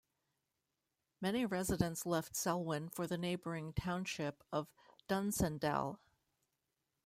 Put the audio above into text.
Many residents left Selwyn for the neighbouring township of Dunsandel.